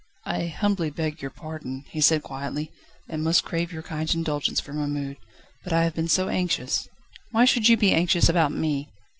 "I humbly beg your pardon," he said quietly, "And must crave your kind indulgence for my mood: but I have been so anxious ..." "Why should you be anxious about me?"